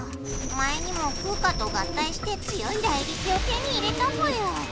前にもフウカと合体して強いライリキを手に入れたぽよ。